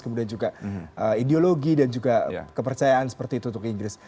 kemudian juga ideologi dan juga kepercayaan seperti itu untuk inggris